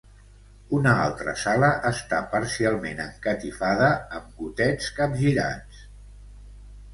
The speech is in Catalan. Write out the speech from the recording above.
Una altra sala està parcialment encatifada amb gotets capgirats.